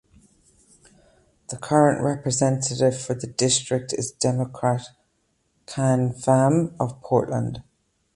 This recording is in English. The current representative for the district is Democrat Khanh Pham of Portland.